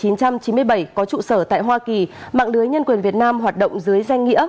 năm một nghìn chín trăm chín mươi bảy có trụ sở tại hoa kỳ mạng lưới nhân quyền việt nam hoạt động dưới danh nghĩa